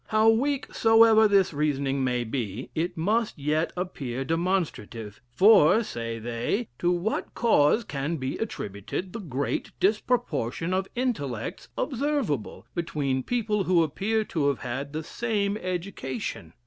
How weak soever this reasoning may be, it must yet appear demonstrative; for, say they, to what cause can be attributed the great disproportion of intellects observable between people who appear to have had the same education!